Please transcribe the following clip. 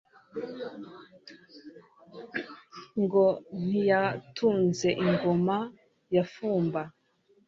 Ngo ntiyatunze ingoma ya Fumba.